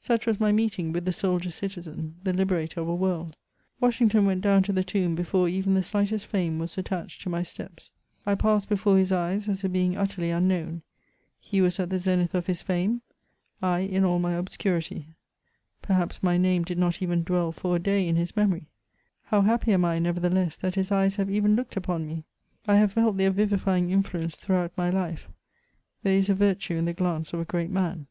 Such was my meeting with the soldier citizen, the liberator of a world. Washington went do>)vn to the tomb before even the slightest fame was attached to my steps ; I passed before his eyes as a being utterly unknown ; he was at the zenith of his fame, I CHATEAUBRIAND. 257 in all my obscurity ; perhaps my name did not even dwell for a day in his memoiy — how happy am I, nevertheless, that his eyes have even looked upon me I I have felt their vivifying influence throughout my life ; ^here is a virtue in the glance of a great man.